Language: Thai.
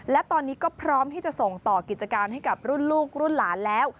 และตอนนี้ก็พร้อมที่จะส่งต่อกิจการให้กับรุ่นลูกรุ่นหลานแล้ว